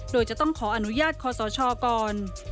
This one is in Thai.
โดยจะต้องขออนุญาตคอสชก่อน